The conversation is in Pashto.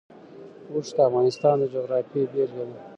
اوښ د افغانستان د جغرافیې بېلګه ده.